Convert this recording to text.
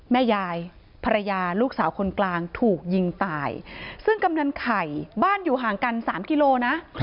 แม่ยายภรรยาลูกสาวคนกลางถูกยิงตายซึ่งกำนันไข่บ้านอยู่ห่างกัน๓กิโลนะ